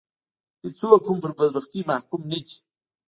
هېڅوک هم پر بدبختي محکوم نه دي.